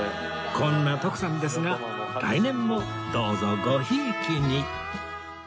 こんな徳さんですが来年もどうぞごひいきに